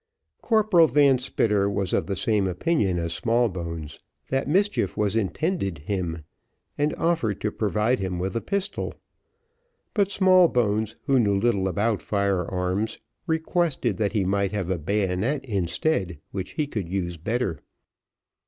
Corporal Van Spitter was of the same opinion as Smallbones, that mischief was intended him, and offered to provide him with a pistol; but Smallbones, who knew little about fire arms, requested that he might have a bayonet instead, which he could use better.